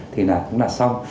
thì cũng là xong